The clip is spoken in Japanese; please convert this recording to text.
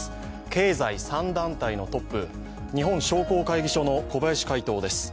経済３団体のトップ日本商工会議所の小林会頭です。